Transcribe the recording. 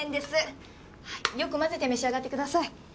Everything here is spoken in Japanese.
はいよく混ぜて召し上がってください。